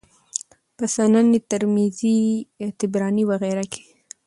په سنن ترمذي، طبراني وغيره کي